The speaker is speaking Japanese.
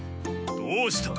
どうした？